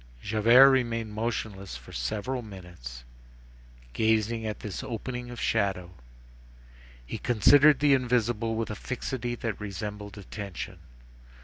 Javert remained motionless for several minutes, gazing at this opening of shadow; he considered the invisible with a fixity that resembled attention.